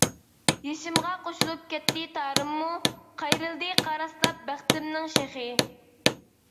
يېشىمغا قوشۇلۇپ كەتتى تارىممۇ، قايرىلدى قاراسلاپ بەختىمنىڭ شېخى.